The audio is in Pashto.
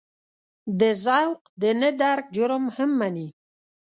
د ذوق د نه درک جرم هم ومني.